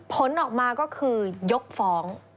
ผลออกมาก็คือยกฟ้อง